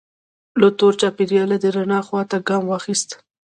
له تور چاپیریاله یې د رڼا خوا ته ګام واخیست.